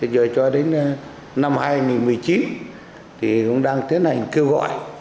giờ cho đến năm hai nghìn một mươi chín thì cũng đang tiến hành kêu gọi